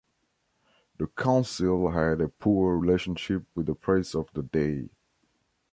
The Council had a poor relationship with the press of the day.